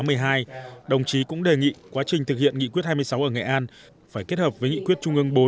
hôm nay đồng chí cũng đề nghị quá trình thực hiện nghị quyết hai mươi sáu ở nghệ an phải kết hợp với nghị quyết trung ương bốn